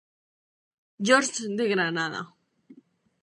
George de Granada.